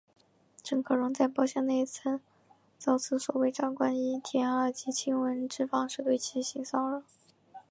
郑可荣在包厢内遭此所谓长官以舔耳及亲吻之方式对其性骚扰。